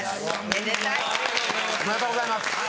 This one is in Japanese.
おめでとうございます。